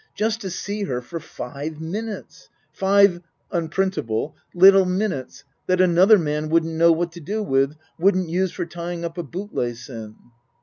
Just to see her for five minutes. Five (unprintable) little minutes that another man wouldn't know what to do with, wouldn't use for tying up a bootlace in."